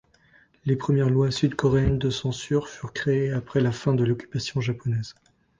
Les premières lois sud-coréennes de censure furent créées après la fin de l'occupation japonaise.